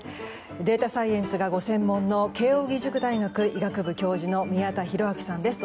データサイエンスがご専門の慶應義塾大学医学部教授の宮田裕章さんです。